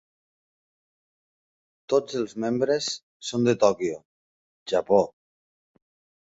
Tots els membres són de Tòquio, Japó.